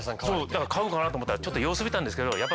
だから買うかなと思ったらちょっと様子見たんですけどえ！